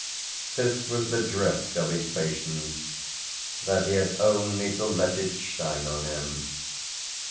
This was the drift of his patience that he had only to let it shine on him.